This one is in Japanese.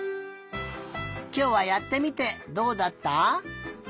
きょうはやってみてどうだった？